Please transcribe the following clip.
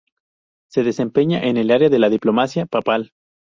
Se desempeña en el área de la diplomacia papal.